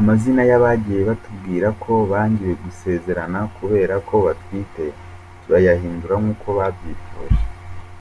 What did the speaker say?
Amazina y’abagiye batubwira ko bangiwe gusezerana kubera ko batwite turayahindura nkuko babyifuje.